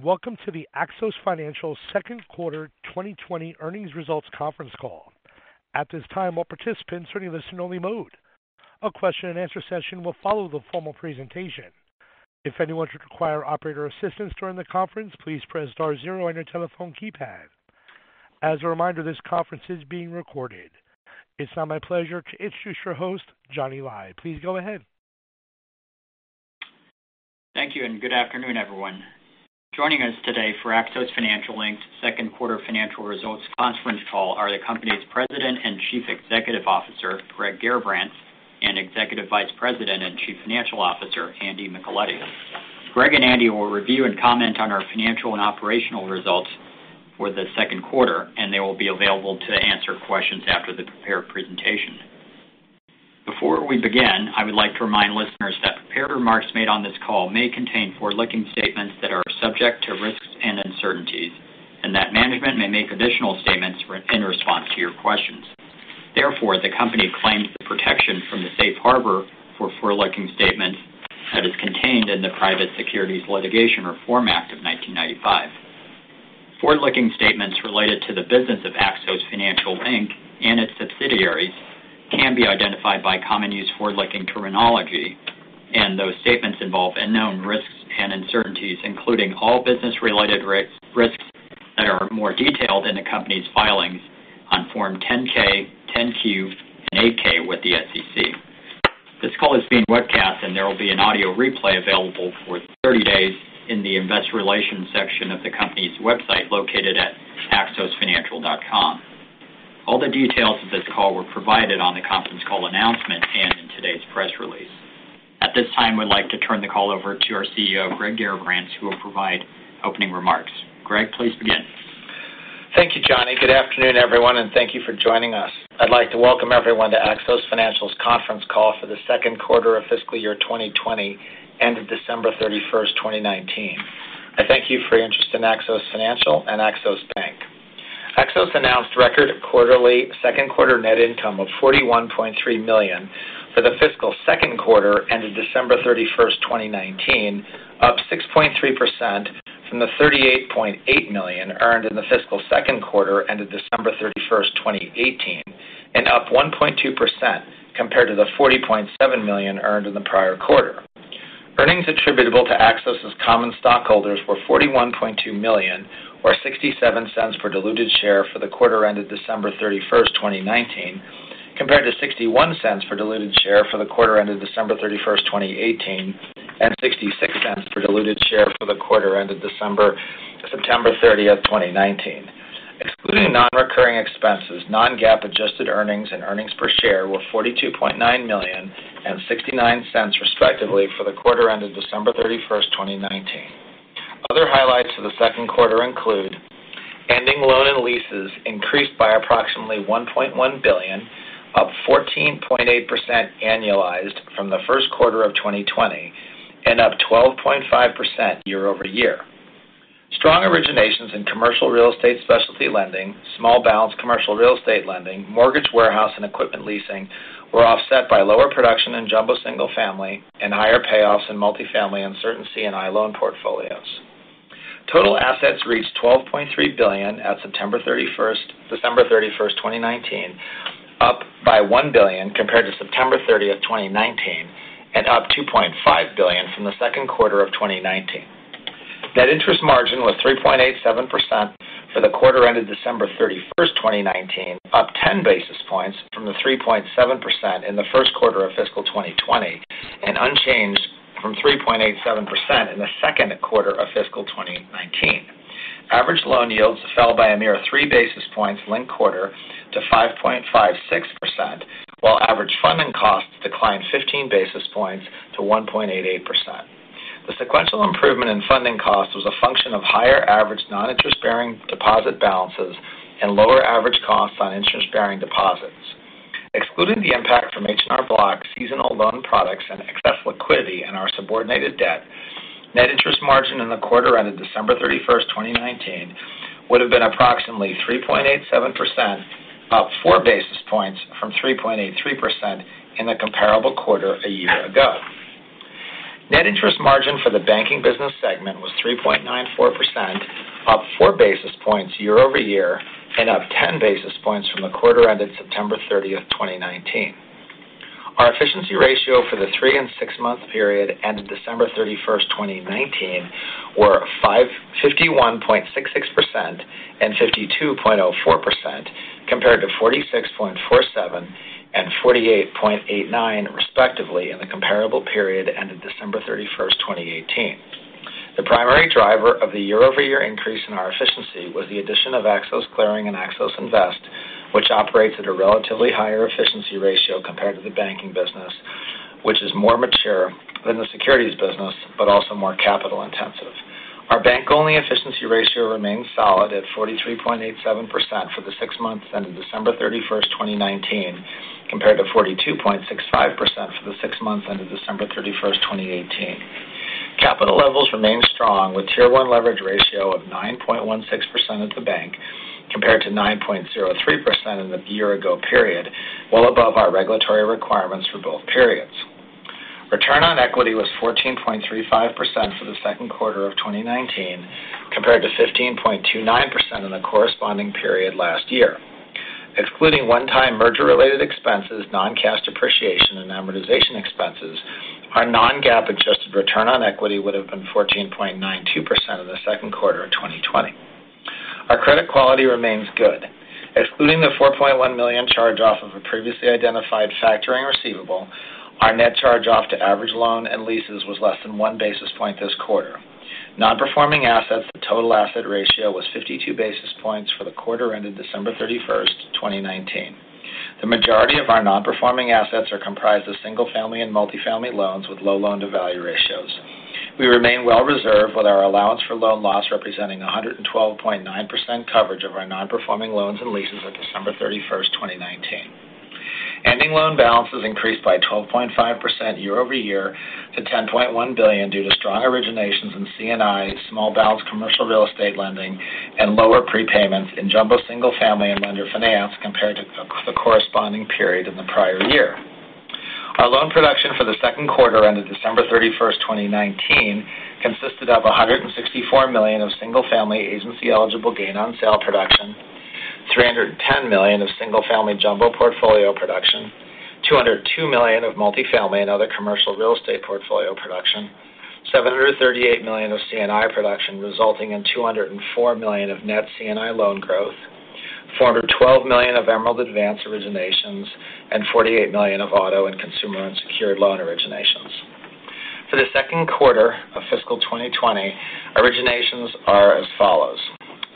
Welcome to the Axos Financial second quarter 2020 earnings results conference call. At this time, all participants are in listen-only mode. A question and answer session will follow the formal presentation. If anyone should require operator assistance during the conference, please press star zero on your telephone keypad. As a reminder, this conference is being recorded. It is now my pleasure to introduce your host, Johnny Lai. Please go ahead. Thank you, and good afternoon, everyone. Joining us today for Axos Financial, Inc.'s second-quarter financial results conference call are the company's President and Chief Executive Officer, Greg Garrabrants, and Executive Vice President and Chief Financial Officer, Andy Micheletti. Greg and Andy will review and comment on our financial and operational results for the second quarter, and they will be available to answer questions after the prepared presentation. Before we begin, I would like to remind listeners that prepared remarks made on this call may contain forward-looking statements that are subject to risks and uncertainties and that management may make additional statements in response to your questions. Therefore, the company claims the protection from the safe harbor for forward-looking statements that is contained in the Private Securities Litigation Reform Act of 1995. Forward-looking statements related to the business of Axos Financial, Inc. Its subsidiaries can be identified by common use of forward-looking terminology, and those statements involve unknown risks and uncertainties, including all business-related risks that are more detailed in the company's filings on Forms 10-K, 10-Q, and 8-K with the SEC. This call is being webcast, and there will be an audio replay available for 30 days in the investor relations section of the company's website located at axosfinancial.com. All the details of this call were provided on the conference call announcement and in today's press release. At this time, we'd like to turn the call over to our CEO, Greg Garrabrants, who will provide opening remarks. Greg, please begin. Thank you, Johnny. Good afternoon, everyone, and thank you for joining us. I'd like to welcome everyone to Axos Financial's conference call for the second quarter of FY 2020, ended December 31st, 2019. I thank you for your interest in Axos Financial and Axos Bank. Axos announced a record second-quarter net income of $41.3 million for the fiscal second quarter ended December 31st, 2019, up 6.3% from the $38.8 million earned in the fiscal second quarter ended December 31st, 2018, and up 1.2% compared to the $40.7 million earned in the prior quarter. Earnings attributable to Axos' common stockholders were $41.2 million, or $0.67 per diluted share for the quarter ended December 31st, 2019, compared to $0.61 per diluted share for the quarter ended December 31st, 2018, and $0.66 per diluted share for the quarter ended September 30th, 2019. Excluding non-recurring expenses, non-GAAP adjusted earnings and earnings per share were $42.9 million and $0.69, respectively, for the quarter ended December 31st, 2019. Other highlights for the second quarter include ending loans and leases, which increased by approximately $1.1 billion, up 14.8% annualized from the first quarter of 2020 and up 12.5% year-over-year. Strong originations in commercial real estate specialty lending, small balance commercial real estate lending, mortgage warehouse, and equipment leasing were offset by lower production in jumbo single family and higher payoffs in multifamily, uncertainty, and C&I loan portfolios. Total assets reached $12.3 billion on December 31st, 2019, up by $1 billion compared to September 30th, 2019, and up $2.5 billion from the second quarter of 2019. Net interest margin was 3.87% for the quarter ended December 31st, 2019, up 10 basis points from the 3.7% in the first quarter of fiscal 2020 and unchanged from 3.87% in the second quarter of fiscal 2019. Average loan yields fell by a mere three basis points linked to the quarter to 5.56%, while average funding costs declined 15 basis points to 1.88%. The sequential improvement in funding cost was a function of higher average non-interest-bearing deposit balances and lower average costs on interest-bearing deposits. Excluding the impact from H&R Block, seasonal loan products, and excess liquidity in our subordinated debt, net interest margin in the quarter ended December 31st, 2019, would have been approximately 3.87%, up four basis points from 3.83% in the comparable quarter a year ago. Net interest margin for the banking business segment was 3.94%, up four basis points year-over-year and up 10 basis points from the quarter ended September 30th, 2019. Our efficiency ratios for the three- and six-month periods ended December 31st, 2019, were 51.66% and 52.04%, compared to 46.47% and 48.89%, respectively, in the comparable period ended December 31st, 2018. The primary driver of the year-over-year increase in our efficiency was the addition of Axos Clearing and Axos Invest, which operates at a relatively higher efficiency ratio compared to the banking business, which is more mature than the securities business but also more capital-intensive. Our bank-only efficiency ratio remains solid at 43.87% for the six months ended December 31st, 2019, compared to 42.65% for the six months ended December 31st, 2018. Capital levels remain strong, with a Tier 1 leverage ratio of 9.16% at the bank compared to 9.03% in the year-ago period, well above our regulatory requirements for both periods. Return on equity was 14.35% for the second quarter of 2019, compared to 15.29% in the corresponding period last year. Excluding one-time merger-related expenses, non-cash depreciation, and amortization expenses, our non-GAAP adjusted return on equity would have been 14.92% in the second quarter of 2020. Our credit quality remains good. Excluding the $4.1 million charge-off of a previously identified factoring receivable, our net charge-off to average loans and leases was less than one basis point this quarter. Non-performing assets to total asset ratio was 52 basis points for the quarter ended December 31st, 2019. The majority of our non-performing assets are comprised of single-family and multifamily loans with low loan-to-value ratios. We remain well reserved with our allowance for loan loss, representing 112.9% coverage of our nonperforming loans and leases at December 31st, 2019. Ending loan balances increased by 12.5% year-over-year to $10.1 billion, due to strong originations in C&I, small-balance commercial real estate lending, and lower prepayments in jumbo single-family and lender finance compared to the corresponding period in the prior year. Our loan production for the second quarter ended December 31st, 2019, consisted of $164 million of single-family agency-eligible gain on sale production, $310 million of single-family jumbo portfolio production, $202 million of multifamily and other commercial real estate portfolio production, $738 million of C&I production, resulting in $204 million of net C&I loan growth, $412 million of Emerald Advance originations, and $48 million of auto and consumer unsecured loan originations. For the second quarter of fiscal 2020, originations are as follows: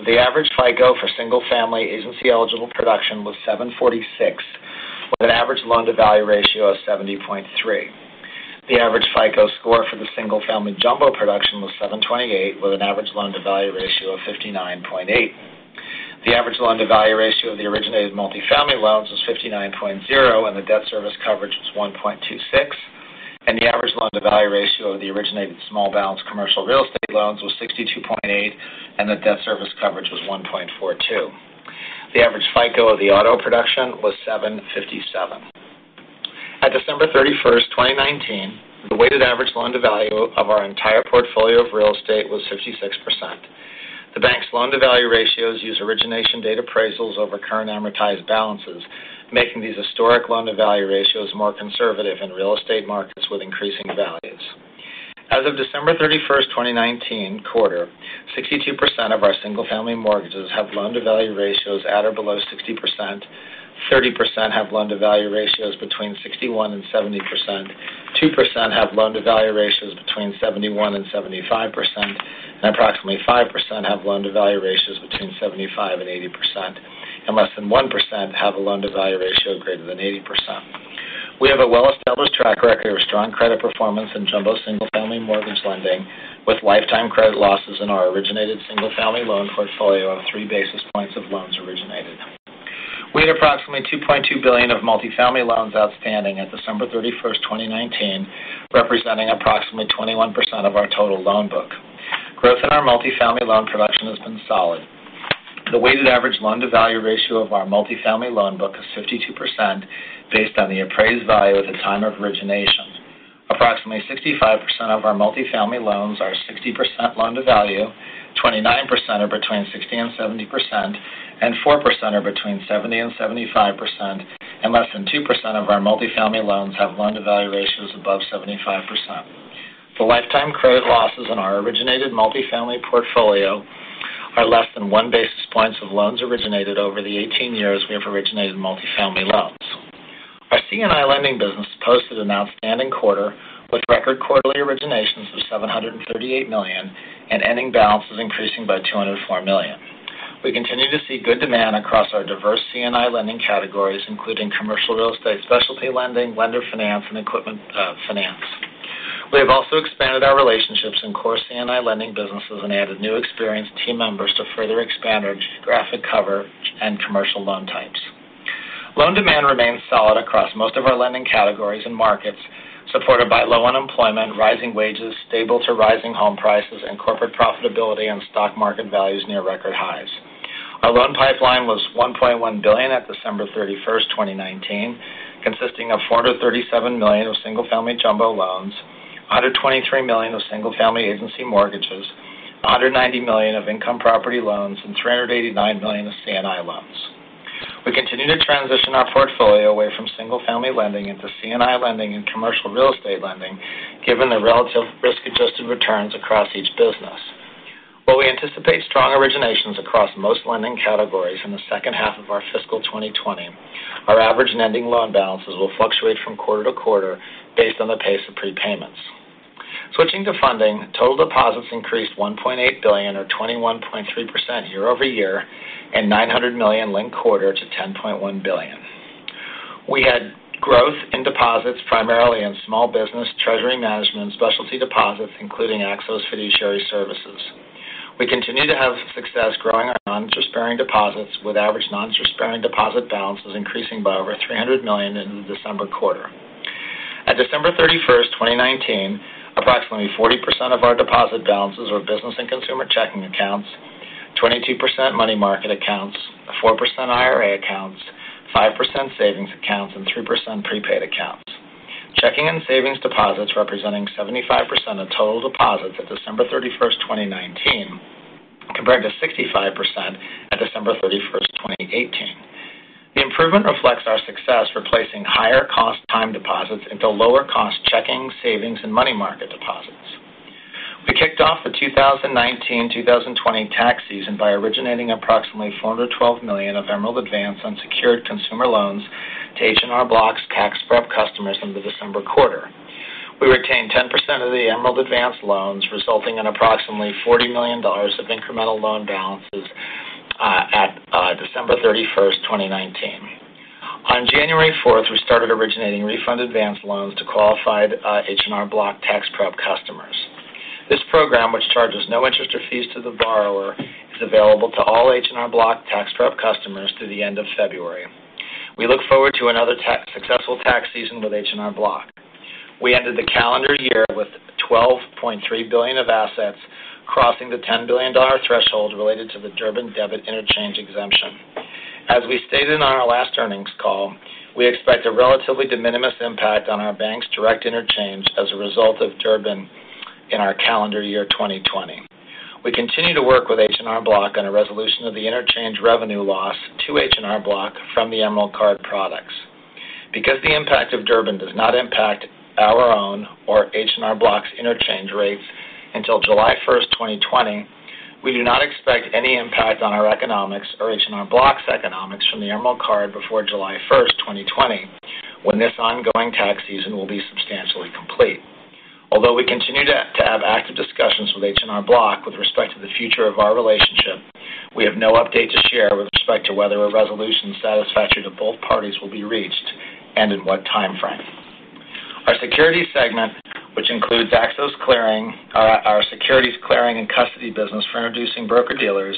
The average FICO for single-family agency-eligible production was 746, with an average loan-to-value ratio of 70.3. The average FICO score for the single-family jumbo production was 728, with an average loan-to-value ratio of 59.8. The average loan-to-value ratio of the originated multifamily loans was 59.0; the debt service coverage was 1.26. The average loan-to-value ratio of the originated small-balance commercial real estate loans was 62.8, and the debt service coverage was 1.42. The average FICO score of the auto production was 757. At December 31st, 2019, the weighted average loan-to-value of our entire portfolio of real estate was 66%. The bank's loan-to-value ratios use origination date appraisals over current amortized balances, making these historic loan-to-value ratios more conservative in real estate markets with increasing values. As of the December 31st, 2019 quarter, 62% of our single-family mortgages have loan-to-value ratios at or below 60%; 30% have loan-to-value ratios between 61% and 70%; 2% have loan-to-value ratios between 71% and 75%; approximately 5% have loan-to-value ratios between 75% and 80%; and less than 1% have a loan-to-value ratio greater than 80%. We have a well-established track record of strong credit performance in jumbo single-family mortgage lending, with lifetime credit losses in our originated single-family loan portfolio of three basis points of loans originated. We had approximately $2.2 billion of multifamily loans outstanding at December 31st, 2019, representing approximately 21% of our total loan book. Growth in our multifamily loan production has been solid. The weighted average loan-to-value ratio of our multifamily loan book is 52%, based on the appraised value at the time of origination. Approximately 65% of our multifamily loans are 60% loan-to-value, 29% are between 60% and 70%, and 4% are between 70% and 75%, and less than 2% of our multifamily loans have loan-to-value ratios above 75%. The lifetime credit losses on our originated multifamily portfolio are less than one basis point of loans originated over the 18 years we have been originating multifamily loans. Our C&I lending business posted an outstanding quarter, with record quarterly originations of $738 million and ending balances increasing by $204 million. We continue to see good demand across our diverse C&I lending categories, including commercial real estate, specialty lending, lender finance, and equipment finance. We have also expanded our relationships in core C&I lending businesses and added new experienced team members to further expand our geographic cover and commercial loan types. Loan demand remains solid across most of our lending categories and markets, supported by low unemployment, rising wages, stable to rising home prices, and corporate profitability and stock market values near record highs. Our loan pipeline was $1.1 billion at December 31st, 2019, consisting of $437 million of single-family jumbo loans, $123 million of single-family agency mortgages, $190 million of income property loans, and $389 million of C&I loans. We continue to transition our portfolio away from single-family lending into C&I lending and commercial real estate lending, given the relative risk-adjusted returns across each business. While we anticipate strong originations across most lending categories in the second half of our fiscal 2020, our average and ending loan balances will fluctuate from quarter to quarter based on the pace of prepayments. Switching to funding, total deposits increased $1.8 billion, or 21.3%, year-over-year, and $900 million linked the quarter to $10.1 billion. We had growth in deposits primarily in small business, treasury management, and specialty deposits, including Axos Fiduciary Services. We continue to have success growing our non-interest-bearing deposits, with average non-interest-bearing deposit balances increasing by over $300 million in the December quarter. On December 31st, 2019. Approximately 40% of our deposit balances are business and consumer checking accounts, 22% money market accounts, 4% IRA accounts, 5% savings accounts, and 3% prepaid accounts. Checking and savings deposits represented 75% of total deposits at December 31st, 2019, compared to 65% at December 31st, 2018. The improvement reflects our success replacing higher-cost time deposits into lower-cost checking, savings, and money market deposits. We kicked off the 2019/2020 tax season by originating approximately $412 million of Emerald Advance on secured consumer loans to H&R Block's Tax Prep customers in the December quarter. We retained 10% of the Emerald Advance loans, resulting in approximately $40 million of incremental loan balances at December 31st, 2019. On January 4th, we started originating refund advance loans to qualified H&R Block Tax Prep customers. This program, which charges no interest or fees to the borrower, is available to all H&R Block Tax Prep customers through the end of February. We look forward to another successful tax season with H&R Block. We ended the calendar year with $12.3 billion of assets, crossing the $10 billion threshold related to the Durbin debit interchange exemption. As we stated on our last earnings call, we expect a relatively de minimis impact on our bank's direct interchange as a result of Durbin in our calendar year 2020. We continue to work with H&R Block on a resolution of the interchange revenue loss to H&R Block from the Emerald Card products. Because the impact of Durbin does not impact our own or H&R Block's interchange rates until July 1st, 2020, we do not expect any impact on our economics or H&R Block's economics from the Emerald Card before July 1st, 2020, when this ongoing tax season will be substantially complete. Although we continue to have active discussions with H&R Block with respect to the future of our relationship, we have no update to share with respect to whether a resolution satisfactory to both parties will be reached and in what timeframe. Our security segment, which includes Axos Clearing, our securities clearing and custody business for introducing broker-dealers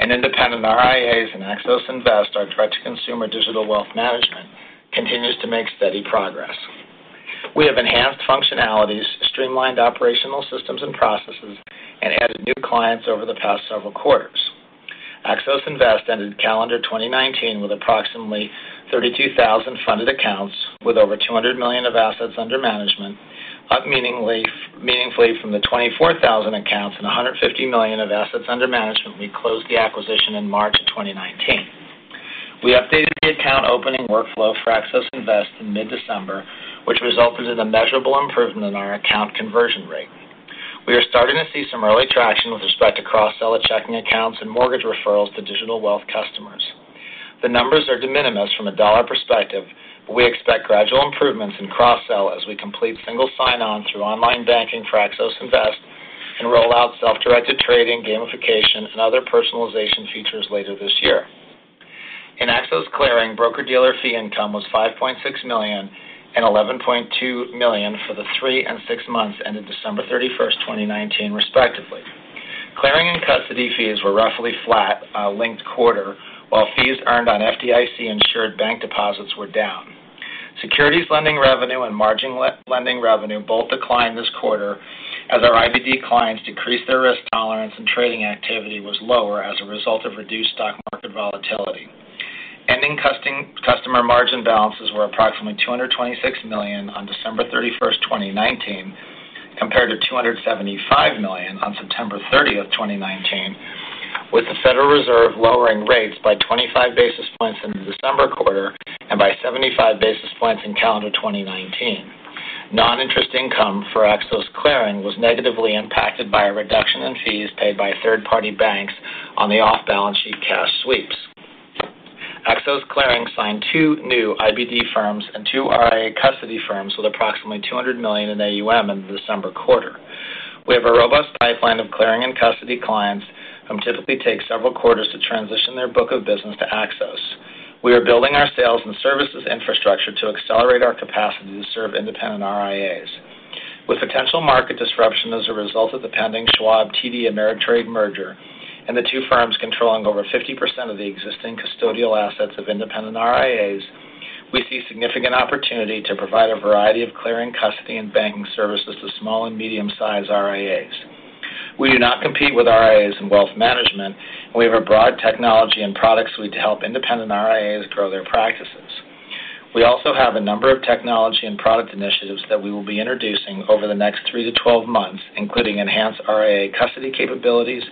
and independent RIAs in Axos Invest, and our direct-to-consumer digital wealth management, continues to make steady progress. We have enhanced functionalities, streamlined operational systems and processes, and added new clients over the past several quarters. Axos Invest ended calendar 2019 with approximately 32,000 funded accounts with over $200 million of assets under management, up meaningfully from the 24,000 accounts and $150 million of assets under management when we closed the acquisition in March of 2019. We updated the account opening workflow for Axos Invest in mid-December, which resulted in a measurable improvement in our account conversion rate. We are starting to see some early traction with respect to cross-seller checking accounts and mortgage referrals to digital wealth customers. The numbers are de minimis from a dollar perspective, but we expect gradual improvements in cross-sell as we complete single sign-on through online banking for Axos Invest and roll out self-directed trading, gamification, and other personalization features later this year. In Axos Clearing, broker-dealer fee income was $5.6 million and $11.2 million for the three and six months ended December 31st, 2019, respectively. Clearing and custody fees were roughly flat linked to the quarter, while fees earned on FDIC-insured bank deposits were down. Securities lending revenue and margin lending revenue both declined this quarter as our IBD clients decreased their risk tolerance and trading activity was lower as a result of reduced stock market volatility. Ending customer margin balances were approximately $226 million on December 31st, 2019, compared to $275 million on September 30th, 2019, with the Federal Reserve lowering rates by 25 basis points in the December quarter and by 75 basis points in calendar 2019. Non-interest income for Axos Clearing was negatively impacted by a reduction in fees paid by third-party banks on the off-balance-sheet cash sweeps. Axos Clearing signed two new IBD firms and two RIA custody firms with approximately $200 million in AUM in the December quarter. We have a robust pipeline of clearing and custody clients who typically take several quarters to transition their book of business to Axos. We are building our sales and services infrastructure to accelerate our capacity to serve independent RIAs. With potential market disruption as a result of the pending Schwab, TD, and Ameritrade merger and the two firms controlling over 50% of the existing custodial assets of independent RIAs, we see significant opportunity to provide a variety of clearing, custody, and banking services to small and medium-sized RIAs. We do not compete with RIAs in wealth management. We have a broad technology and product suite to help independent RIAs grow their practices. We also have a number of technology and product initiatives that we will be introducing over the next 3-12 months, including enhanced RIA custody capabilities,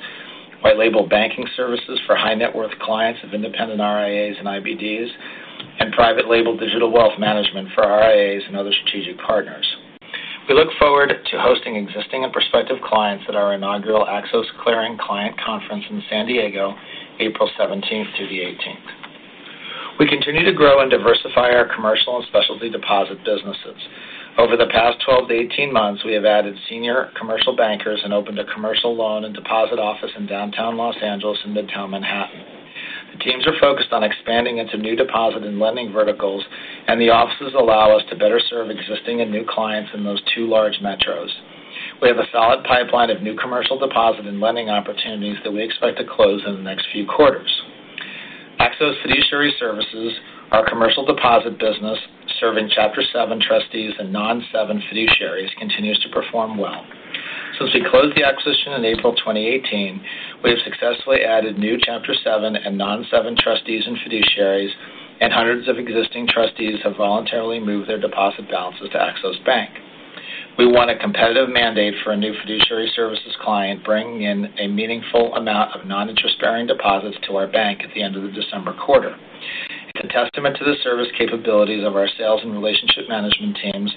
white label banking services for high-net-worth clients of independent RIAs and IBDs, and private label digital wealth management for RIAs and other strategic partners. We look forward to hosting existing and prospective clients at our inaugural Axos Clearing Client Conference in San Diego, April 17th through the 18th. We continue to grow and diversify our commercial and specialty deposit businesses. Over the past 12-18 months, we have added senior commercial bankers and opened a commercial loan and deposit office in downtown Los Angeles and Midtown Manhattan. The teams are focused on expanding into new deposit and lending verticals, and the offices allow us to better serve existing and new clients in those two large metros. We have a solid pipeline of new commercial deposit and lending opportunities that we expect to close in the next few quarters. Axos Fiduciary Services, our commercial deposit business serving Chapter 7 trustees and non-7 fiduciaries, continues to perform well. Since we closed the acquisition in April 2018, we have successfully added new Chapter 7 and non-7 trustees and fiduciaries, and hundreds of existing trustees have voluntarily moved their deposit balances to Axos Bank. We won a competitive mandate for a new fiduciary services client, bringing in a meaningful amount of non-interest-bearing deposits to our bank at the end of the December quarter. It's a testament to the service capabilities of our sales and relationship management teams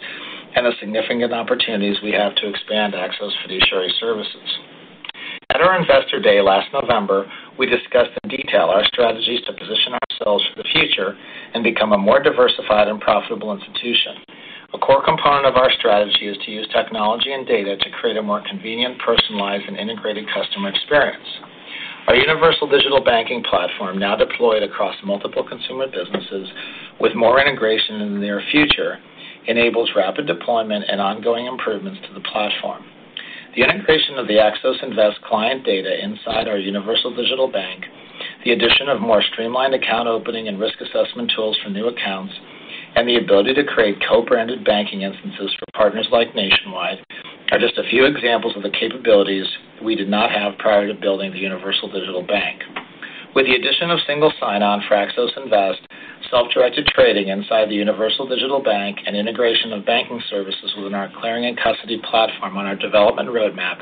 and the significant opportunities we have to expand Axos Fiduciary Services. At our Investor Day last November, we discussed in detail our strategies to position ourselves for the future and become a more diversified and profitable institution. A core component of our strategy is to use technology and data to create a more convenient, personalized, and integrated customer experience. Our universal digital banking platform, now deployed across multiple consumer businesses with more integration in the near future, enables rapid deployment and ongoing improvements to the platform. The integration of the Axos Invest client data inside our universal digital bank, the addition of more streamlined account opening and risk assessment tools for new accounts, and the ability to create co-branded banking instances for partners like Nationwide are just a few examples of the capabilities we did not have prior to building the universal digital bank. With the addition of single sign-on for Axos Invest, self-directed trading inside the universal digital bank, and integration of banking services within our clearing and custody platform on our development roadmap,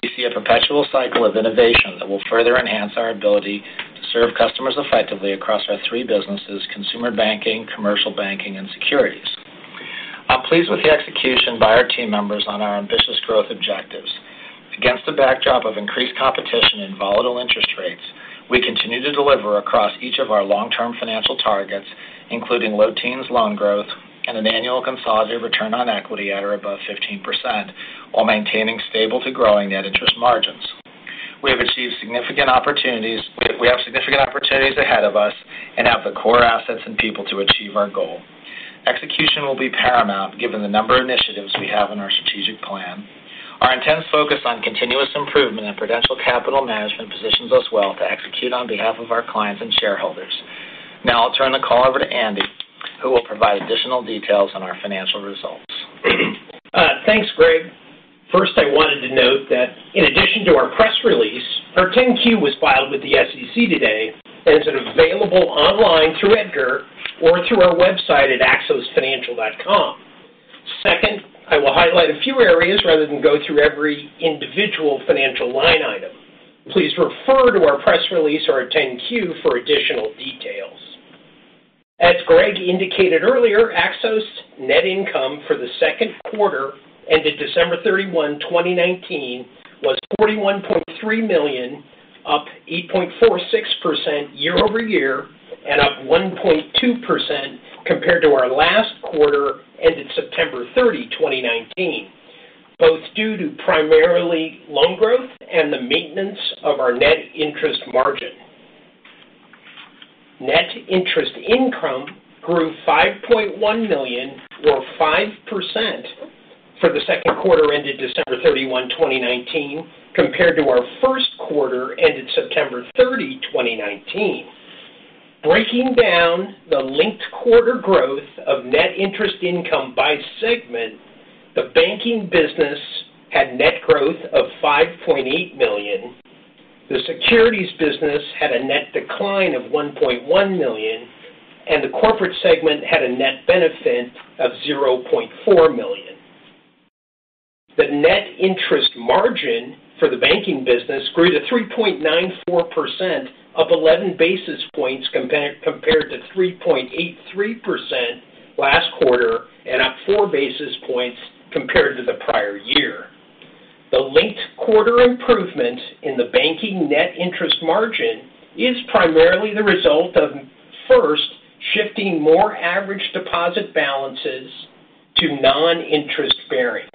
we see a perpetual cycle of innovation that will further enhance our ability to serve customers effectively across our three businesses, consumer banking, commercial banking, and securities. I'm pleased with the execution by our team members on our ambitious growth objectives. Against the backdrop of increased competition and volatile interest rates, we continue to deliver across each of our long-term financial targets, including low teens loan growth and an annual consolidated return on equity at or above 15%, while maintaining stable to growing net interest margins. We have significant opportunities ahead of us and have the core assets and people to achieve our goal. Execution will be paramount given the number of initiatives we have in our strategic plan. Our intense focus on continuous improvement in prudential capital management positions us well to execute on behalf of our clients and shareholders. Now I'll turn the call over to Andy, who will provide additional details on our financial results. Thanks, Greg. First, I wanted to note that in addition to our press release, our 10-Q was filed with the SEC today and is available online through EDGAR or through our website at axosfinancial.com. Second, I will highlight a few areas rather than go through every individual financial line item. Please refer to our press release or our 10-Q for additional details. As Greg indicated earlier, Axos' net income for the second quarter ended December 31, 2019, was $41.3 million, up 8.46% year-over-year and up 1.2% compared to our last quarter ended September 30, 2019, both due to primarily loan growth and the maintenance of our net interest margin. Net interest income grew $5.1 million, or 5%, for the second quarter ended December 31, 2019, compared to our first quarter ended September 30, 2019. Breaking down the linked quarter growth of net interest income by segment, the banking business had net growth of $5.8 million, the securities business had a net decline of $1.1 million, and the corporate segment had a net benefit of $0.4 million. The net interest margin for the banking business grew to 3.94%, up 11 basis points compared to 3.83% last quarter and up four basis points compared to the prior year. The linked quarter improvement in the banking net interest margin is primarily the result of, first, shifting more average deposit balances to non-interest-bearing.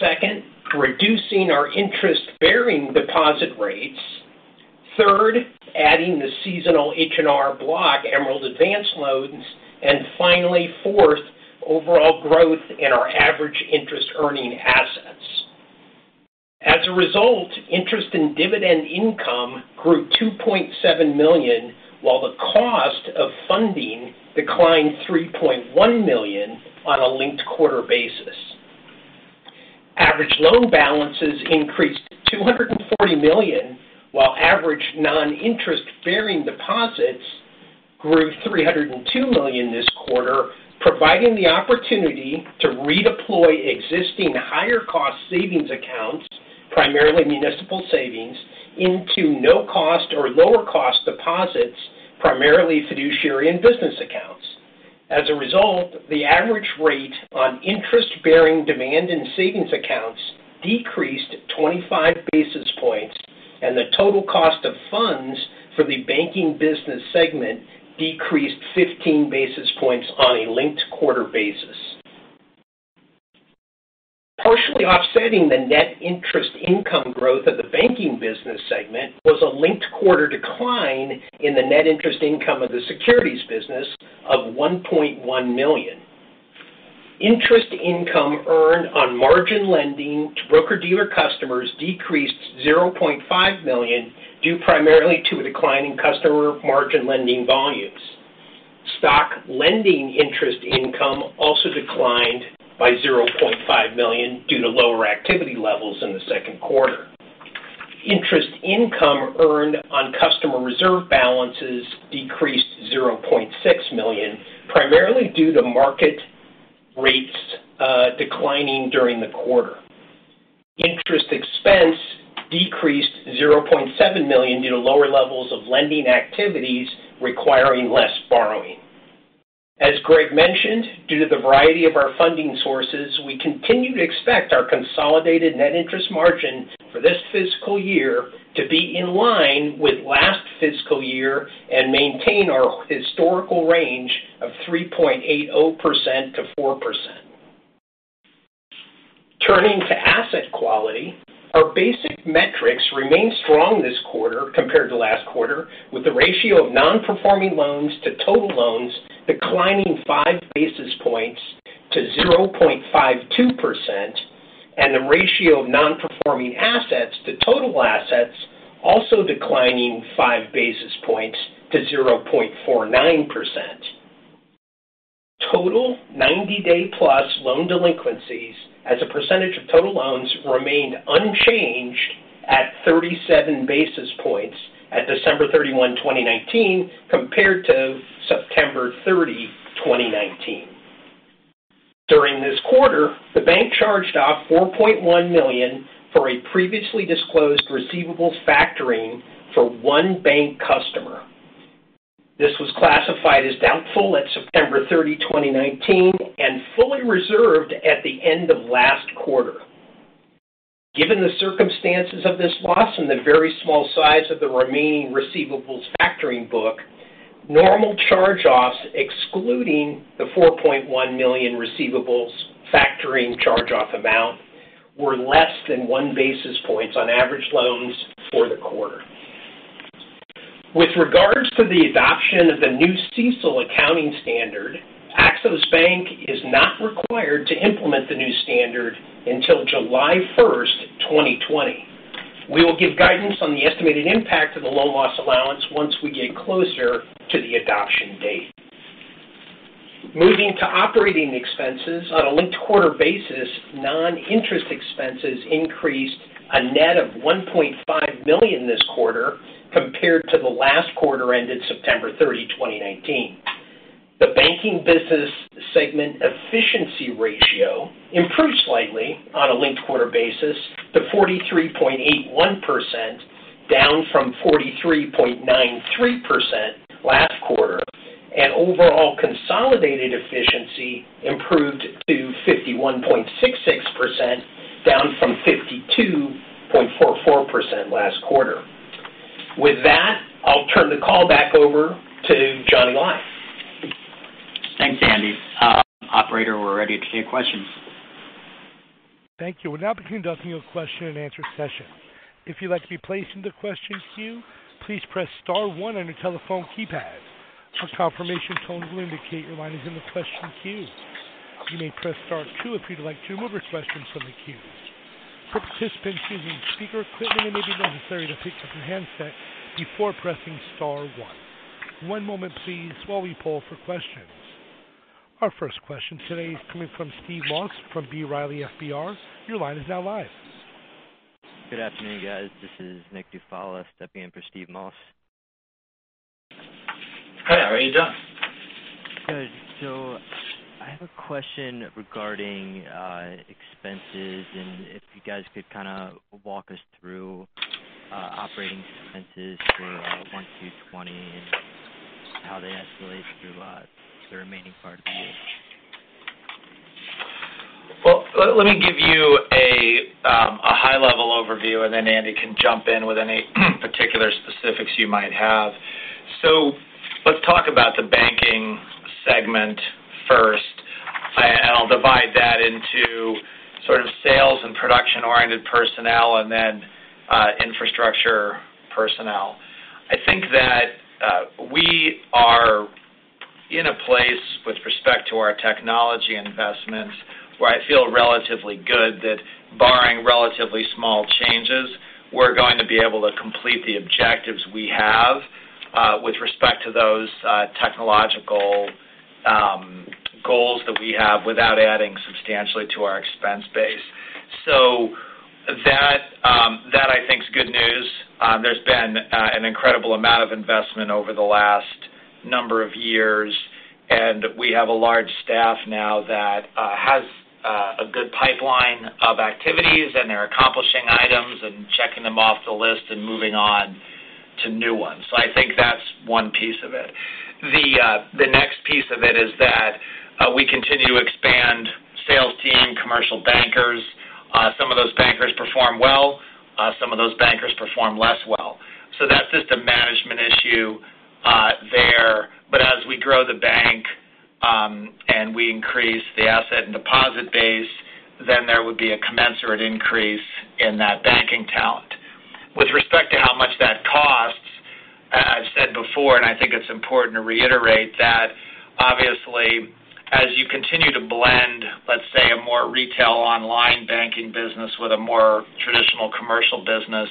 Second, reducing our interest-bearing deposit rates. Third, adding the seasonal H&R Block Emerald Advance loans. Finally, fourth, overall growth in our average interest-earning assets. As a result, interest and dividend income grew $2.7 million, while the cost of funding declined $3.1 million on a linked quarter basis. Average loan balances increased to $240 million, while average non-interest-bearing deposits grew $302 million this quarter, providing the opportunity to redeploy existing higher-cost savings accounts, primarily municipal savings, into no-cost or lower-cost deposits, primarily fiduciary and business accounts. As a result, the average rate on interest-bearing demand and savings accounts decreased 25 basis points, and the total cost of funds for the banking business segment decreased 15 basis points on a linked quarter basis. Partially offsetting the net interest income growth of the banking business segment was a linked quarter decline in the net interest income of the securities business of $1.1 million. Interest income earned on margin lending to broker-dealer customers decreased $0.5 million due primarily to declining customer margin lending volumes. Stock lending interest income also declined by $0.5 million due to lower activity levels in the second quarter. Interest income earned on customer reserve balances decreased $0.6 million, primarily due to market rates declining during the quarter. Interest expense decreased $0.7 million due to lower levels of lending activities requiring less borrowing. As Greg mentioned, due to the variety of our funding sources, we continue to expect our consolidated net interest margin for this fiscal year to be in line with last fiscal year and maintain our historical range of 3.80%-4%. Turning to asset quality, our basic metrics remain strong this quarter compared to last quarter, with the ratio of non-performing loans to total loans declining five basis points to 0.52%, and the ratio of non-performing assets to total assets also declining five basis points to 0.49%. Total 90+ day loan delinquencies as a percentage of total loans remained unchanged at 37 basis points on December 31, 2019, compared to September 30, 2019. During this quarter, the bank charged off $4.1 million for a previously disclosed receivables factoring for one bank customer. This was classified as doubtful on September 30, 2019, and fully reserved at the end of last quarter. Given the circumstances of this loss and the very small size of the remaining receivables factoring book, normal charge-offs, excluding the $4.1 million receivables factoring charge-off amount, were less than one basis point on average loans for the quarter. With regards to the adoption of the new CECL accounting standard, Axos Bank is not required to implement the new standard until July 1, 2020. We will give guidance on the estimated impact of the loan loss allowance once we get closer to the adoption date. Moving to operating expenses on a linked-quarter basis, non-interest expenses increased a net of $1.5 million this quarter compared to the last quarter ended September 30, 2019. The banking business segment efficiency ratio improved slightly on a linked-quarter basis to 43.81%, down from 43.93% last quarter, and overall consolidated efficiency improved to 51.66%, down from 52.44% last quarter. With that, I'll turn the call back over to John Lai. Thanks, Andy. Operator, we're ready to take questions. Thank you. We're now conducting a question-and-answer session. If you'd like to be placed in the questions queue, please press star one on your telephone keypad. A confirmation tone will indicate your line is in the question queue. You may press star two if you'd like to remove your questions from the queue. For participants using speaker equipment, it may be necessary to pick up your handset before pressing star one. One moment, please, while we poll for questions. Our first question today is coming from Steve Moss from B. Riley FBR. Your line is now live. Good afternoon, guys. This is Nick Dufala stepping in for Steve Moss. Hi. How are you, John? Good. I have a question regarding expenses, and if you guys could kind of walk us through operating expenses for one through 20 and how they escalate through the remaining part of the year? Well, let me give you a high-level overview, and then Andy can jump in with any particular specifics you might have. Let's talk about the banking segment first, and I'll divide that into sort of sales and production-oriented personnel and then infrastructure personnel. I think that we are in a place with respect to our technology investments where I feel relatively good that, barring relatively small changes, we're going to be able to complete the objectives we have with respect to those technological goals that we have without adding substantially to our expense base. That I think is good news. There's been an incredible amount of investment over the last number of years, and we have a large staff now that has a good pipeline of activities, and they're accomplishing items and checking them off the list and moving on to new ones. I think that's one piece of it. The next piece of it is that we continue to expand the sales team, commercial bankers. Some of those bankers perform well. Some of those bankers perform less well. That's just a management issue there. As we grow the bank and we increase the asset and deposit base, there will be a commensurate increase in that banking talent. With respect to how much before, and I think it's important to reiterate that obviously, as you continue to blend, let's say, a more retail online banking business with a more traditional commercial business,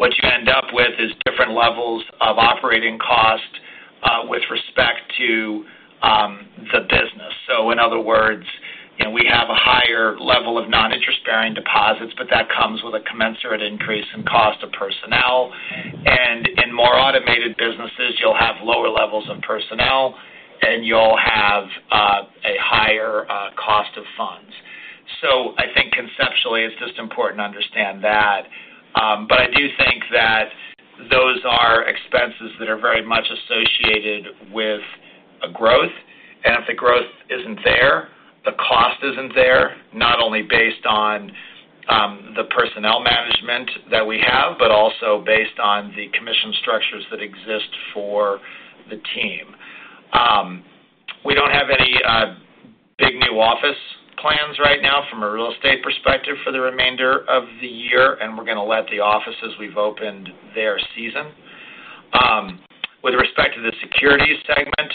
what you end up with is different levels of operating cost with respect to the business. In other words, we have a higher level of non-interest-bearing deposits, but that comes with a commensurate increase in the cost of personnel. In more automated businesses, you'll have lower levels of personnel, and you'll have a higher cost of funds. I think conceptually, it's just important to understand that. I do think that those are expenses that are very much associated with growth. If the growth isn't there, the cost isn't there, not only based on the personnel management that we have but also based on the commission structures that exist for the team. We don't have any big new office plans right now from a real estate perspective for the remainder of the year, and we're going to let the offices we've opened there season. With respect to the securities segment,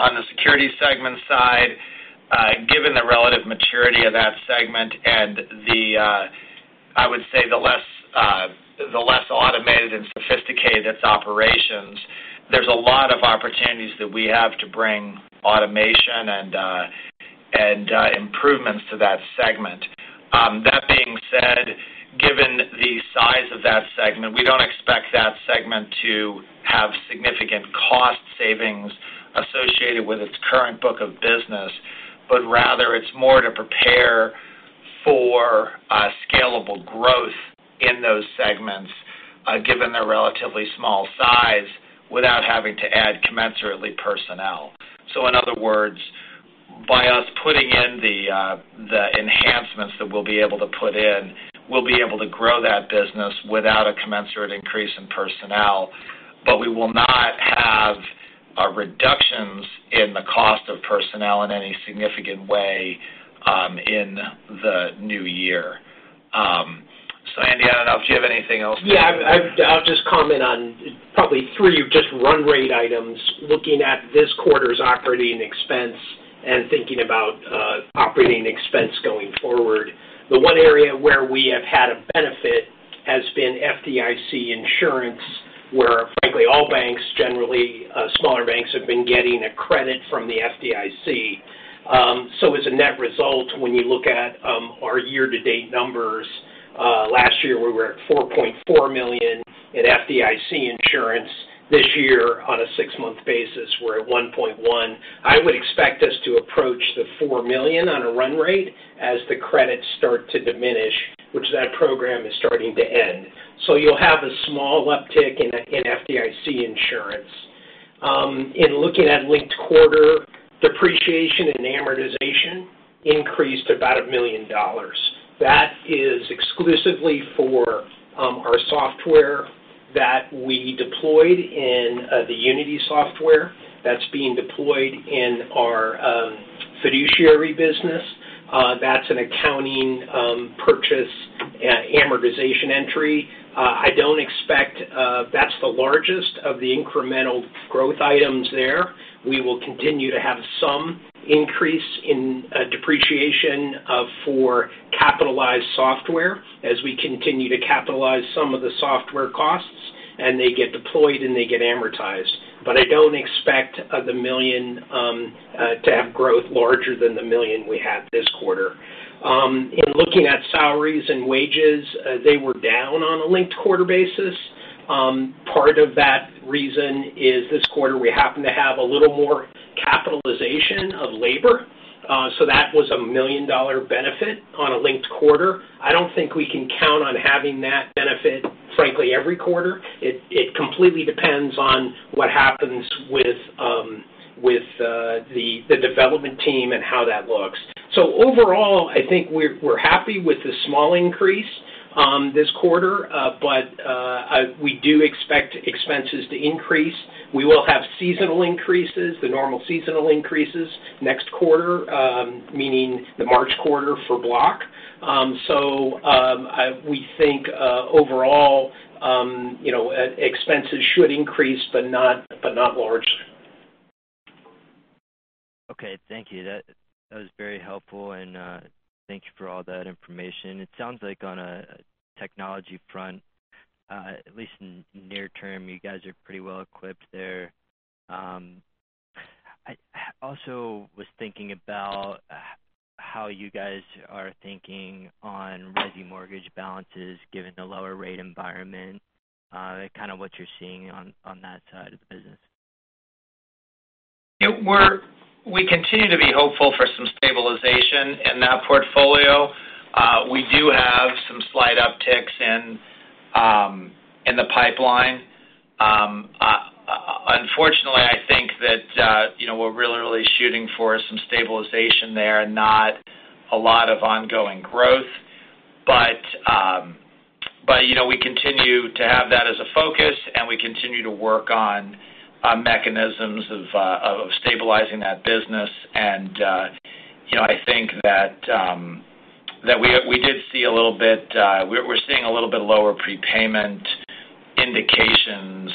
on the securities segment side, given the relative maturity of that segment and, I would say, the less automated and sophisticated operations, there are a lot of opportunities that we have to bring automation and improvements to that segment. That being said, given the size of that segment, we don't expect that segment to have significant cost savings associated with its current book of business, but rather it's more to prepare for scalable growth in those segments given their relatively small size without having to add commensurately personnel. In other words, by us putting in the enhancements that we'll be able to put in, we'll be able to grow that business without a commensurate increase in personnel, but we will not have reductions in the cost of personnel in any significant way in the new year. Andy, I don't know if you have anything else to add. Yeah. I'll just comment on probably just three run rate items, looking at this quarter's operating expense and thinking about operating expense going forward. The one area where we have had a benefit has been FDIC insurance, where frankly, all banks, generally smaller banks, have been getting a credit from the FDIC. As a net result, when you look at our year-to-date numbers, last year we were at $4.4 million in FDIC insurance. This year, on a six-month basis, we're at $1.1. I would expect us to approach $4 million on a run rate as the credits start to diminish, as that program is starting to end. You'll have a small uptick in FDIC insurance. In looking at the linked quarter, depreciation and amortization increased about $1 million. That is exclusively for our software that we deployed in the Unity software that's being deployed in our fiduciary business. That's an accounting purchase amortization entry. I don't expect that's the largest of the incremental growth items there. We will continue to have some increase in depreciation for capitalized software as we continue to capitalize some of the software costs, and they get deployed, and they get amortized. I don't expect to have growth larger than the $1 million we had this quarter. In looking at salaries and wages, they were down on a linked quarter basis. Part of that reason is this quarter we happen to have a little more capitalization of labor. That was a $1 million benefit on a linked quarter. I don't think we can count on having that benefit, frankly, every quarter. It completely depends on what happens with the development team and how that looks. Overall, I think we're happy with the small increase this quarter. We do expect expenses to increase. We will have seasonal increases, the normal seasonal increases, next quarter, meaning the March quarter for Block. We think overall, expenses should increase, but not largely. Okay. Thank you. That was very helpful, and thank you for all that information. It sounds like on a technology front, at least near term, you guys are pretty well equipped there. I also was thinking about how you guys are thinking on resi mortgage balances given the lower rate environment, kind of what you're seeing on that side of the business. We continue to be hopeful for some stabilization in that portfolio. We do have some slight upticks in the pipeline. I think that we're really shooting for some stabilization there and not a lot of ongoing growth. We continue to have that as a focus, and we continue to work on mechanisms of stabilizing that business. I think that we did see a little bit lower prepayment indications,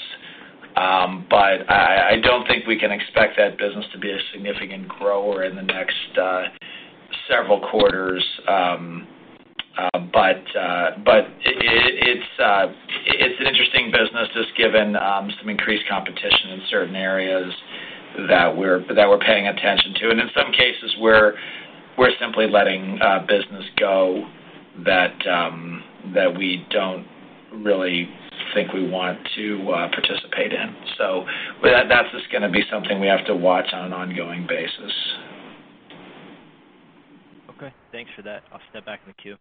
but I don't think we can expect that business to be a significant grower in the next several quarters. It's an interesting business, just given some increased competition in certain areas that we're paying attention to. In some cases, we're simply letting business go that we don't really think we want to participate in. That's just going to be something we have to watch on an ongoing basis. Okay. Thanks for that. I'll step back in the queue.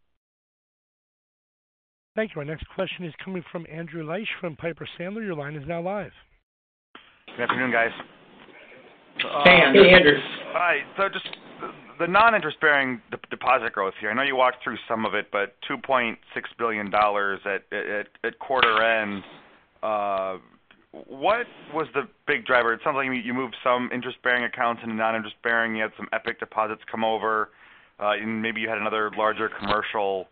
Thank you. Our next question is coming from Andrew Liesch from Piper Sandler. Your line is now live. Good afternoon, guys. Hey, Andrew. Hi. Just the non-interest-bearing deposit growth here, I know you walked through some of it—is $2.6 billion at quarter end. What was the big driver? It sounds like you moved some interest-bearing accounts into non-interest-bearing, you had some EPIQ deposits come over, and maybe you had another larger commercial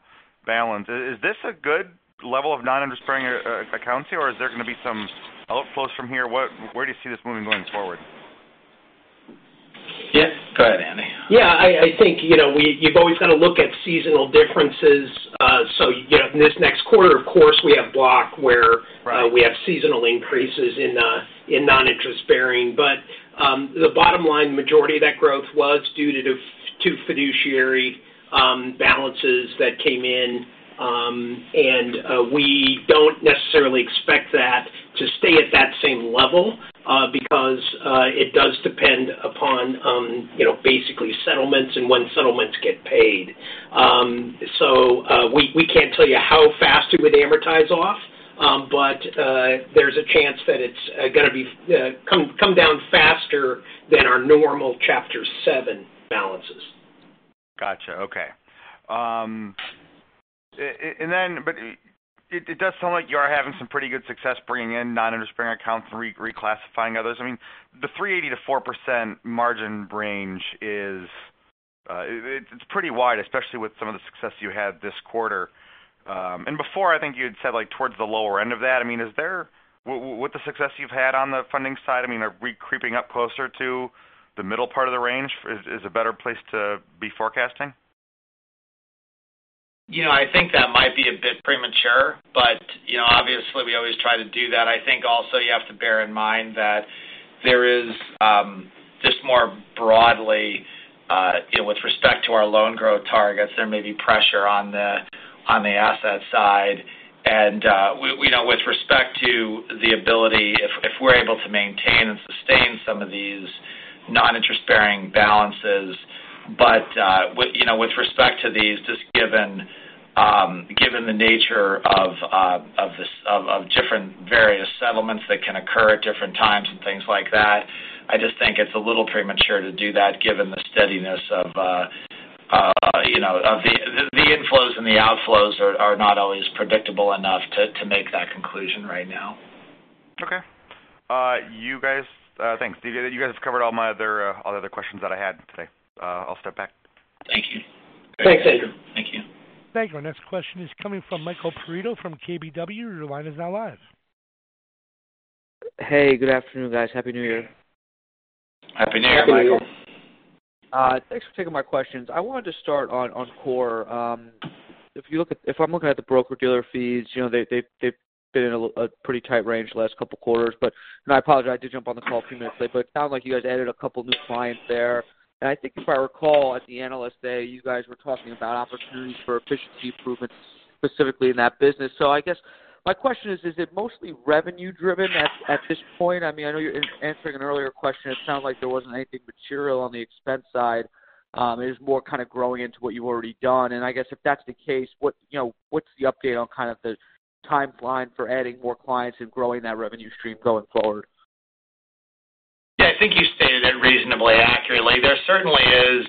balance. Is this a good level of non-interest-bearing accounts here, or is there going to be some outflows from here? Where do you see this moving going forward? Yeah. Go ahead, Andy. Yeah, I think you've always got to look at seasonal differences. This next quarter, of course, we have Block. Right We have seasonal increases in non-interest-bearing. The bottom line, the majority of that growth was due to fiduciary balances that came in. We don't necessarily expect that to stay at that same level, because it does depend upon basically settlements and when settlements get paid. We can't tell you how fast it would amortize off, but there's a chance that it's going to come down faster than our normal Chapter 7 balances. Got you. Okay. It does sound like you are having some pretty good success bringing in non-interest-bearing accounts and reclassifying others. I mean, the 3.80%-4% margin range is pretty wide, especially with some of the success you had this quarter. Before, I think you had said towards the lower end of that. With the success you've had on the funding side, are we creeping up closer to the middle part of the range is a better place to be forecasting? I think that might be a bit premature, but obviously we always try to do that. I think also you have to bear in mind that there is just more broadly, with respect to our loan growth targets, maybe pressure on the asset side. With respect to the ability, we're able to maintain and sustain some of these non-interest-bearing balances. With respect to these, just given the nature of the different various settlements that can occur at different times and things like that, I just think it's a little premature to do that given the steadiness of the inflows and the outflows are not always predictable enough to make that conclusion right now. Thanks. You guys have covered all the other questions that I had today. I'll step back. Thank you. Thanks, Andrew. Thank you. Thank you. Our next question is coming from Michael Perito from KBW. Your line is now live. Hey, good afternoon, guys. Happy New Year. Happy New Year, Michael. Happy New Year. Thanks for taking my questions. I wanted to start on the core. If I'm looking at the broker-dealer fees, they've been in a pretty tight range the last couple of quarters. I apologize; I did jump on the call a few minutes late, but it sounds like you guys added a couple of new clients there. I think if I recall, at the Analyst Day, you guys were talking about opportunities for efficiency improvements, specifically in that business. I guess my question is, is it mostly revenue-driven at this point? I know you're answering an earlier question. It sounds like there wasn't anything material on the expense side. It was more kind of growing into what you've already done. I guess if that's the case, what's the update on kind of the timeline for adding more clients and growing that revenue stream going forward? Yeah, I think you stated it reasonably accurately. There certainly is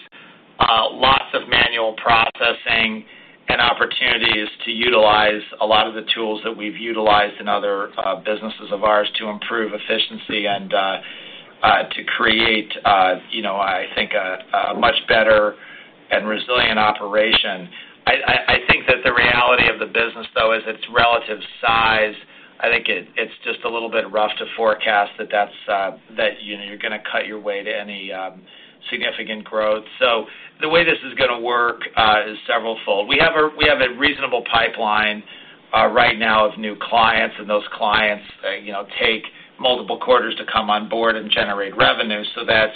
lots of manual processing and opportunities to utilize a lot of the tools that we've utilized in other businesses of ours to improve efficiency and to create, I think, a much better and resilient operation. I think that the reality of the business, though, is its relative size. I think it's just a little bit rough to forecast that you're going to cut your way to any significant growth. The way this is going to work is manifold. We have a reasonable pipeline right now of new clients, and those clients take multiple quarters to come on board and generate revenue. There's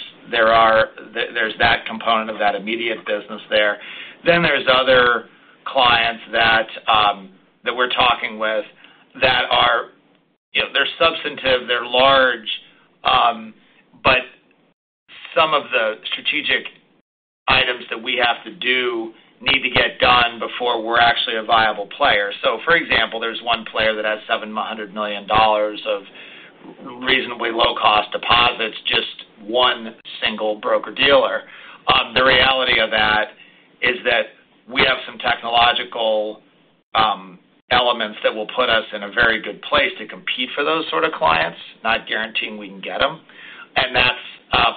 that component of that immediate business there. There are other clients that we're talking with that are substantive; they're large, but some of the strategic items that we have to do need to get done before we're actually a viable player. For example, there's one player that has $700 million of reasonably low-cost deposits, just one single broker-dealer. The reality of that is that we have some technological elements that will put us in a very good place to compete for those sort of clients, not guaranteeing we can get them.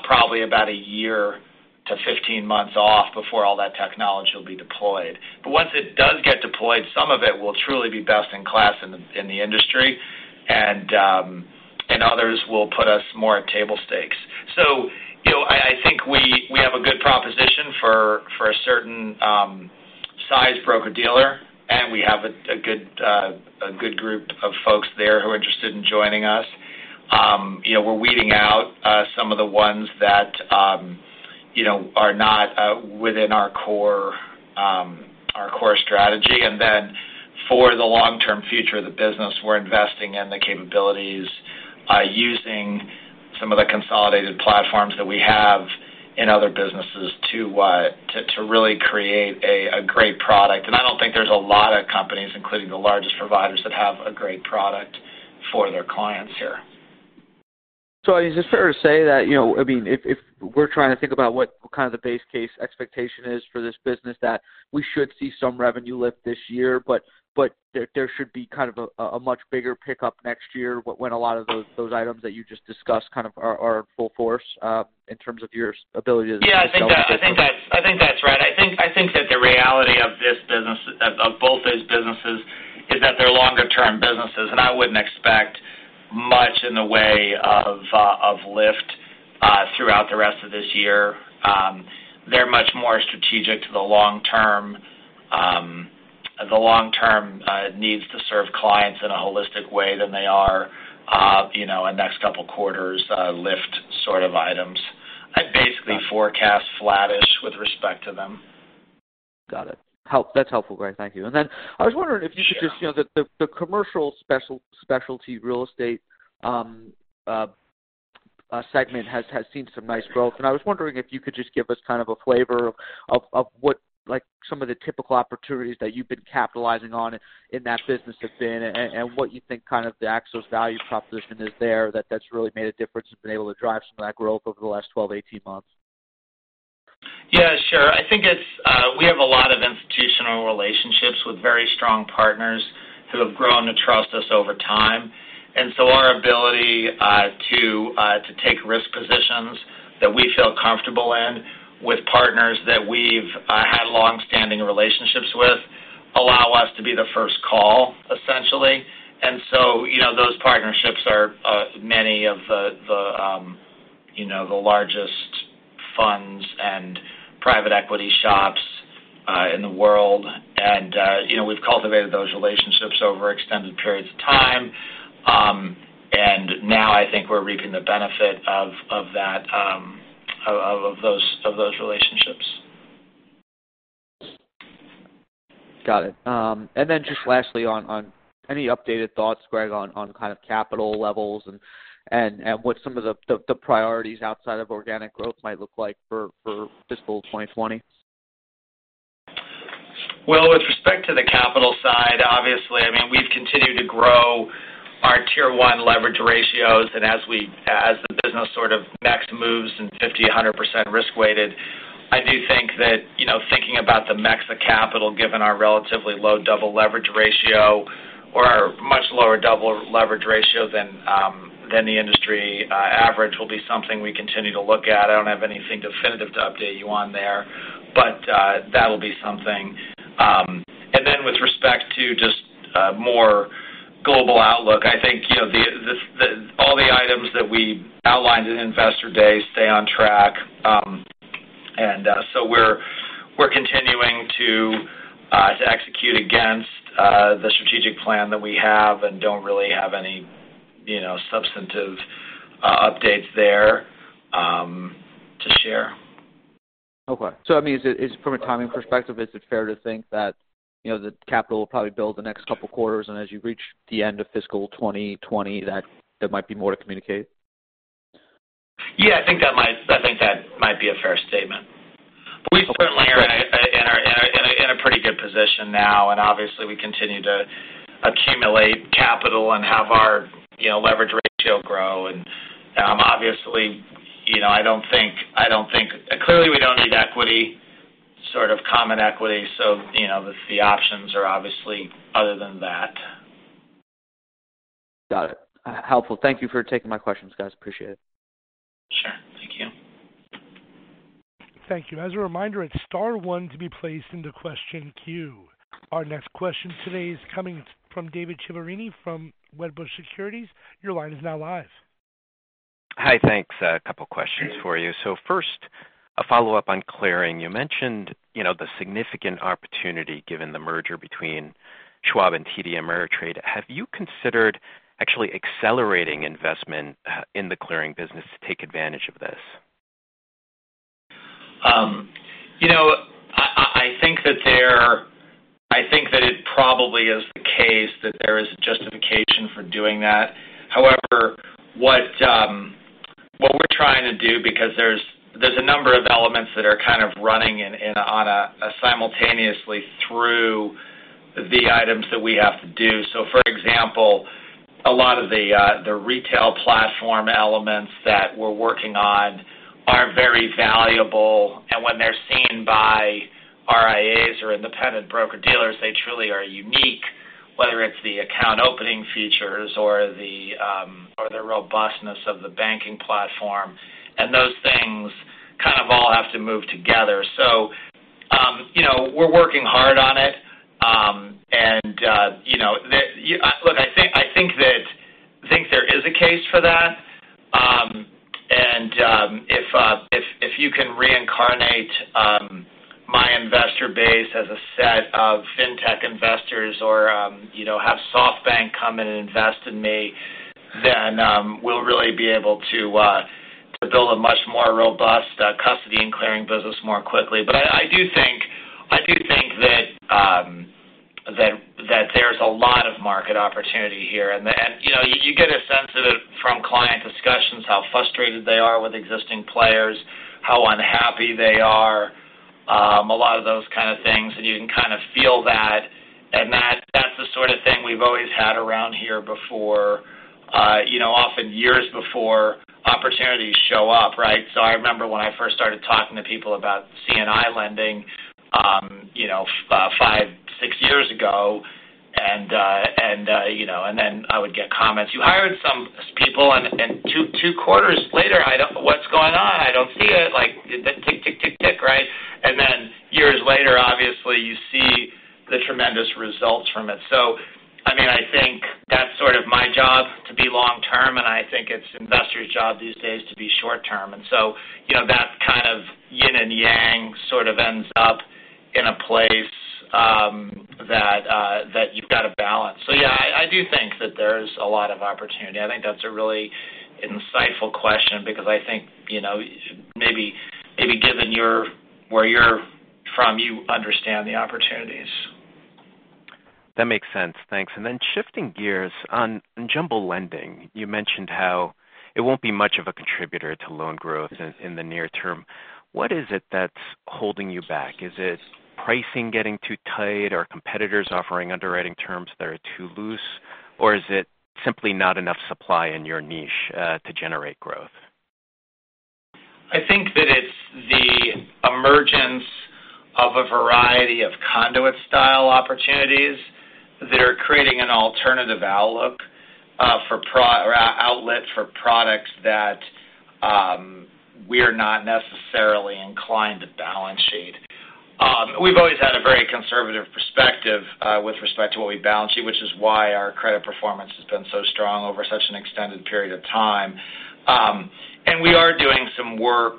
Probably about a year to 15 months off before all that technology will be deployed. Once it does get deployed, some of it will truly be best in class in the industry, and others will put us more at table stakes. I think we have a good proposition for a certain size broker-dealer, and we have a good group of folks there who are interested in joining us. We're weeding out some of the ones that are not within our core strategy. Then for the long-term future of the business, we're investing in the capabilities by using some of the consolidated platforms that we have in other businesses to really create a great product. I don't think there are a lot of companies, including the largest providers, that have a great product for their clients here. Is it fair to say that, if we're trying to think about what the base case expectation is for this business, we should see some revenue lift this year, but there should be a much bigger pickup next year when a lot of those items that you just discussed are at full force in terms of your ability to? Yeah, I think that's right. I think that the reality of both those businesses is that they're longer-term businesses, and I wouldn't expect much in the way of lift throughout the rest of this year. They're much more strategic to the long-term needs to serve clients in a holistic way than they are in the next couple quarters' lift-sort of items. I basically forecast flatness with respect to them. Got it. That's helpful, Greg. Thank you. The commercial specialty real estate segment has seen some nice growth, and I was wondering if you could just give us a flavor of what some of the typical opportunities that you've been capitalizing on in that business have been and what you think the Axos value proposition is there that's really made a difference and been able to drive some of that growth over the last 12-18 months. Yeah, sure. I think we have a lot of institutional relationships with very strong partners who have grown to trust us over time. Our ability to take risk positions that we feel comfortable in with partners that we've had long-standing relationships with allows us to be their first call, essentially. Those partnerships are many of the largest funds and private equity shops in the world. We've cultivated those relationships over extended periods of time. Now I think we're reaping the benefit of those relationships. Got it. Just lastly, any updated thoughts, Greg, on capital levels and what some of the priorities outside of organic growth might look like for fiscal 2020? Well, with respect to the capital side, obviously, we've continued to grow our Tier I leverage ratios. As the business sort of next moves in 50%-100% risk-weighted, I do think that thinking about the mix of capital given our relatively low double leverage ratio or our much lower double leverage ratio than the industry average will be something we continue to look at. I don't have anything definitive to update you on there, but that'll be something. Then with respect to just a more global outlook, I think all the items that we outlined at Investor Day stay on track. So we're continuing to execute against the strategic plan that we have and don't really have any substantive updates there to share. Okay. From a timing perspective, is it fair to think that the capital will probably build over the next couple of quarters and that as you reach the end of fiscal 2020, there might be more to communicate? Yeah, I think that might be a fair statement. We certainly are in a pretty good position now, and obviously, we continue to accumulate capital and have our leverage ratio grow, and obviously, clearly we don't need equity, sort of common equity. The options are obviously other than that. Got it. Helpful. Thank you for taking my questions, guys. Appreciate it. Sure. Thank you. Thank you. As a reminder, it's star one to be placed into the question queue. Our next question today is coming from David Ciavarrini from Wedbush Securities. Your line is now live. Hi, thanks. A couple of questions for you. First, a follow-up on clearing. You mentioned the significant opportunity given the merger between Schwab and TD Ameritrade. Have you considered actually accelerating investment in the clearing business to take advantage of this? I think that it probably is the case that there is justification for doing that. What we're trying to do is because there are a number of elements that are kind of running simultaneously through the items that we have to do. For example, a lot of the retail platform elements that we're working on are very valuable. When they're seen by our independent broker-dealers, they truly are unique, whether it's the account opening features or the robustness of the banking platform. Those things kind of all have to move together. We're working hard on it. Look, I think there is a case for that. If you can reincarnate my investor base as a set of fintech investors or have SoftBank come in and invest in me, then we'll really be able to build a much more robust custody and clearing business more quickly. I do think that there's a lot of market opportunity here, and you get a sense from client discussions how frustrated they are with existing players, how unhappy they are, and a lot of those kinds of things, and you can kind of feel that. That's the sort of thing we've always had around here before, often years before opportunities show up, right? I remember when I first started talking to people about C&I lending five, six years ago, then I would get comments like, You hired some people, and two quarters later, what's going on? I don't see it. Like tick, tick, right? Then years later, obviously, you see the tremendous results from it. I think that's sort of my job to be long-term, and I think it's investors' job these days to be short-term. So that kind of yin and yang sort of ends up in a place that you've got to balance. Yeah, I do think that there's a lot of opportunity. I think that's a really insightful question because I think, maybe given where you're from, you understand the opportunities. That makes sense. Thanks. Then shifting gears, on jumbo lending, you mentioned how it won't be much of a contributor to loan growth in the near term. What is it that's holding you back? Is it pricing getting too tight? Are competitors offering underwriting terms that are too loose? Is it simply not enough supply in your niche to generate growth? I think that it's the emergence of a variety of conduit-style opportunities that are creating an alternative outlook for outlets for products that we're not necessarily inclined to balance sheet. We've always had a very conservative perspective with respect to what we balance sheet, which is why our credit performance has been so strong over such an extended period of time. We are doing some work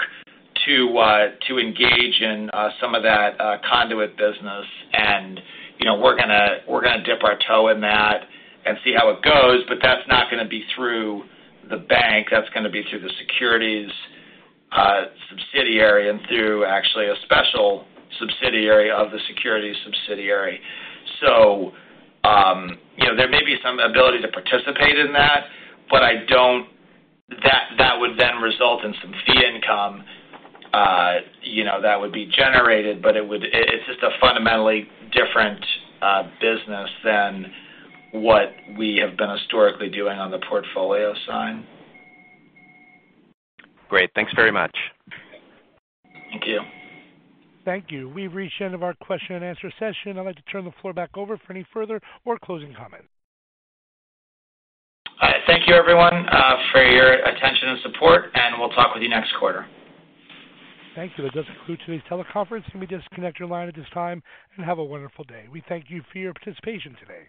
to engage in some of that conduit business, and we're going to dip our toe in that and see how it goes, but that's not going to be through the bank. That's going to be through the securities subsidiary and through, actually, a special subsidiary of the securities subsidiary. There may be some ability to participate in that. That would then result in some fee income that would be generated, but it's just a fundamentally different business than what we have been historically doing on the portfolio side. Great. Thanks very much. Thank you. Thank you. We've reached the end of our question and answer session. I'd like to turn the floor back over for any further or closing comments. Thank you everyone for your attention and support, and we'll talk with you next quarter. Thank you. That does conclude today's teleconference. You may disconnect your line at this time, and have a wonderful day. We thank you for your participation today.